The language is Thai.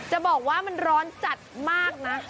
จะบอกว่ามันร้อนจัดมากนะ